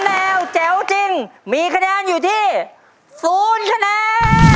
แนวแจ๋วจริงมีคะแนนอยู่ที่๐คะแนน